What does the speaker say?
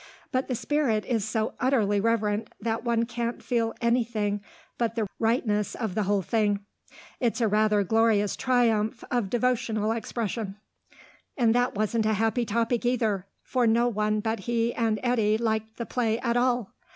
But the spirit is so utterly reverent that one can't feel anything but the rightness of the whole thing. It's a rather glorious triumph of devotional expression." And that wasn't a happy topic either, for no one but he and Eddy liked the play at all.